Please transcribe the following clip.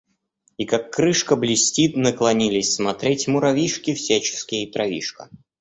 И как крышка блестит наклонились смотреть муравьишки всяческие и травишка.